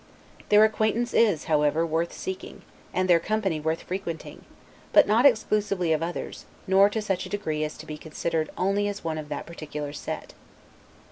Their acquaintance is, however, worth seeking, and their company worth frequenting; but not exclusively of others, nor to such a degree as to be considered only as one of that particular set.